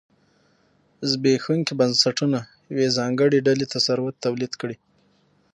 زبېښونکي بنسټونه یوې ځانګړې ډلې ته ثروت تولید کړي.